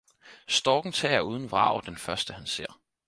Storken tager uden vrag den første, han ser.